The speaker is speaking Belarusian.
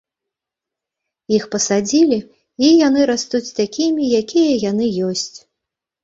Іх пасадзілі і яны растуць такімі, якія яны ёсць.